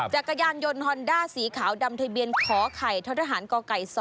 จักรยานยนต์ฮอนด้าสีขาวดำทะเบียนขอไข่ทศทหารกไก่๒